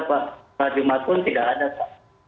pak jumat pun tidak ada pak